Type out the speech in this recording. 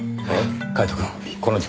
カイトくんこの事件